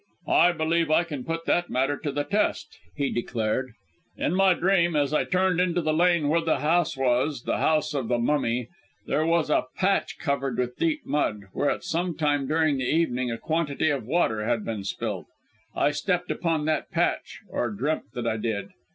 "I believe I can put that matter to the test," he declared. "In my dream, as I turned into the lane where the house was the house of the mummy there was a patch covered with deep mud, where at some time during the evening a quantity of water had been spilt. I stepped upon that patch, or dreamt that I did.